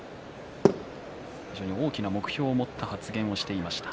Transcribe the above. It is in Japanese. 大きな目標を持った発言をしていました。